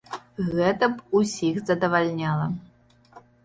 Гэта б усіх задавальняла.